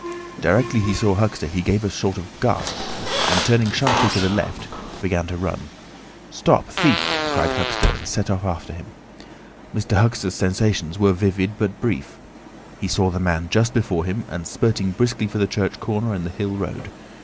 Directly he saw Huxter he gave a sort of gasp, and turning sharply to the left, began to run. "Stop, thief!" cried Huxter, and set off after him. Mr. Huxter's sensations were vivid but brief. He saw the man just before him and spurting briskly for the church corner and the hill road.